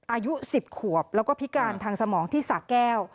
อายุ๑๐ขวบแล้วก็พิการทางสมองที่สะแก้ว